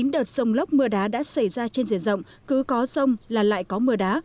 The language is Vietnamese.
chín đợt sông lốc mưa đá đã xảy ra trên diện rộng cứ có sông là lại có mưa đá